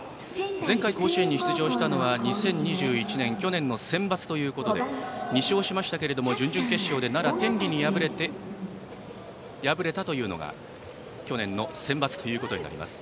前回、甲子園に出場したのは２０２１年去年のセンバツということで２勝しましたが準々決勝で奈良・天理に敗れたというのが去年のセンバツということになります。